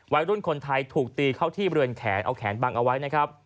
วัยรุ่นคนไทยถูกตีเข้าที่บริเวณแขนเอาแขนบังเอาไว้นะครับ